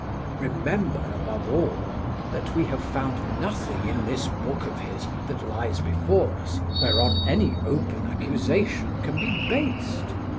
Remember above all that we have found nothing in this book of his that lies before us whereon any open accusation can be based.